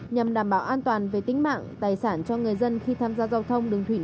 nhằm đảm bảo an toàn về tính mạng tài sản cho người dân khi tham gia giao thông đường thủy